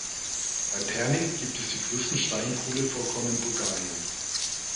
Bei Pernik gibt es die größten Steinkohlevorkommen Bulgariens.